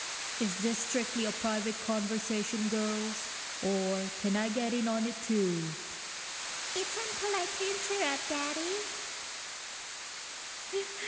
(Is this strictly a private conversation, girls, or can I get in on it, too?) (It's unpolite to interrupt, Daddy.)